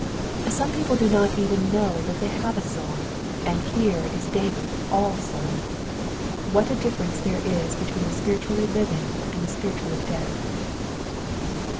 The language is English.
Some people do not even know that they have a soul, and here is David all soul. What a differ ence there is between the spiritually living and the spiritually dead.